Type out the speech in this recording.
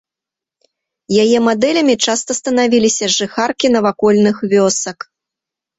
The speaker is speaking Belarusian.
Яе мадэлямі часта станавіліся жыхаркі навакольных вёсак.